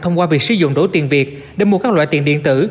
thông qua việc sử dụng đổi tiền việt để mua các loại tiền điện tử